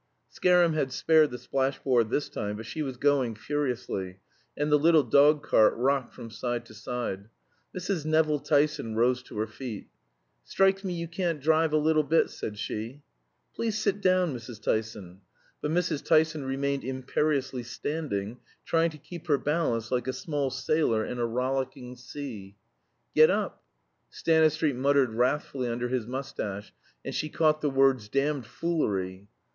Scarum had spared the splash board this time, but she was going furiously, and the little dog cart rocked from side to side. Mrs. Nevill Tyson rose to her feet. "Strikes me you can't drive a little bit," said she. "Please sit down, Mrs. Tyson." But Mrs. Tyson remained imperiously standing, trying to keep her balance like a small sailor in a rollicking sea. "Get up." Stanistreet muttered wrathfully under his mustache, and she caught the words "damned foolery."